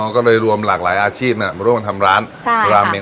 ก็เลยรวมหลากหลายอาชีพมาร่วมทำร้านราเมน